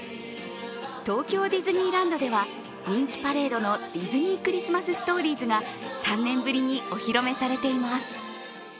東京ディズニーランドでは人気パレードのディズニー・クリスマス・ストーリーズが３年ぶりにお披露目されています。